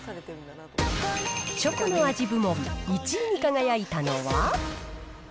チョコの味部門、１位に輝いたのは？